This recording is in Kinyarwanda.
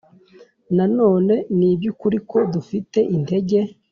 Nanone ni iby’ukuri ko dufite intege